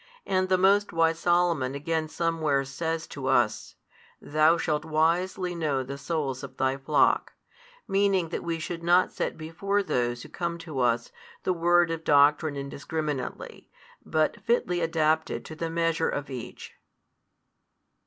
And the most wise Solomon again somewhere says to us, Thou shalt wisely know the souls of thy flock, meaning that we should not set before those who come to us the word of doctrine indiscriminately, but fitly adapted to the measure of each.